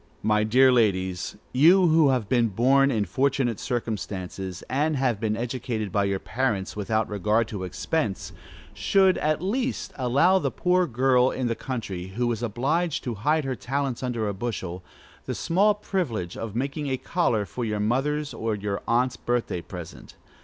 My dear ladies, you who have been born in fortunate circumstances, and have been educated by your parents, without regard to expense, should, at least, allow the poor girl in the country, who is obliged to hide her talents under a bushel, the small privilege of making a collar for your mother's or your aunt's birthday present.